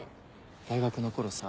大学の頃さ